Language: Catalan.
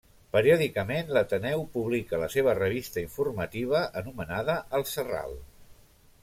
Periòdicament l'Ateneu publica la seva revista informativa anomenada El Serral.